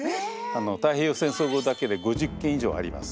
太平洋戦争後だけで５０件以上あります。